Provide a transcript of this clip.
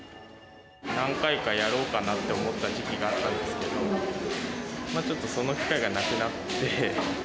何回かやろうかなと思った時期があったんですけど、ちょっとその機会がなくなって。